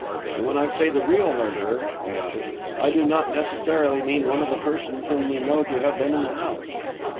And when I say the real murderer," I added, "I do not necessarily mean one of the persons whom we know to have been in the house.